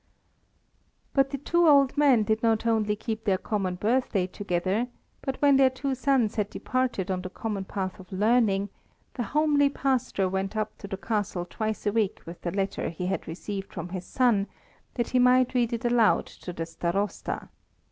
But the two old men did not only keep their common birthday together, but when their two sons had departed on the common path of learning, the homely pastor went up to the Castle twice a week with the letter he had received from his son, that he might read it aloud to the Starosta.